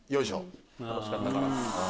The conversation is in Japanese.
楽しかったから。